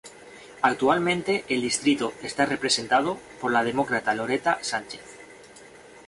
Actualmente el distrito está representado por la Demócrata Loretta Sanchez.